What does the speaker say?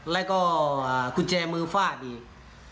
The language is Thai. แล้วก็กุญแจมือฟาดอีก